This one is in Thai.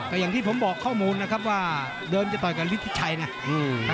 แต่อย่างที่ผมบอกข้อมูลนะครับว่าเดิมจะต่อยกับฤทธิชัยนะ